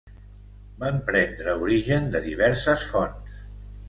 Van prendre origen de diverses fonts.